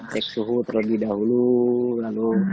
naik suhu terlebih dahulu